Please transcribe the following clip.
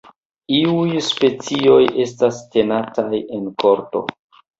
Iuj specioj estas tenataj en korto.